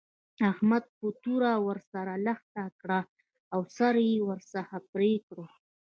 احمد په توره ور سره لښته کړه او سر يې ورڅخه پرې کړ.